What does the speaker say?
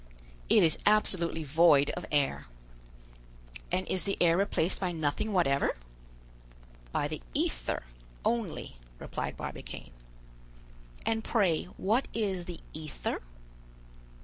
"It is absolutely void of air." "And is the air replaced by nothing whatever?" "By the ether only," replied Barbicane. "And pray what is the ether?"